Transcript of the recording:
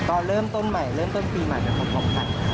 ตอนเริ่มต้นใหม่เริ่มต้นปีใหม่นะครับของขวัญ